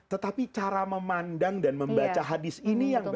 tetapi cara memandang dan membaca hadis ini yang berbeda